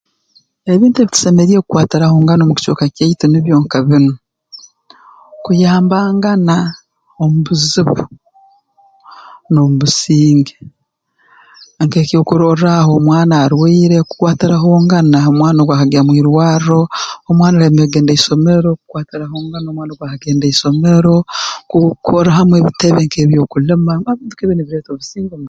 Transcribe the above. Ebintu ebi tusemeriire kukwatirahongana omu kicweka kyaitu nibyo nka binu kuyambangana omu buzibu n'omu businge nk'ekyokurorraaho omwana arwaire kukwatirahongana ha mwana ogu agya mu irwarro omwana alemere kugenda ha isomero kukwatirahongana omwana ogu akagenda ha isomero kukorrahamu ebitebe nk'eby'okulima ebitebe nibireeta obusinge